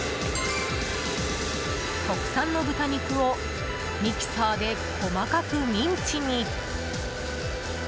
国産の豚肉をミキサーで細かくミンチに。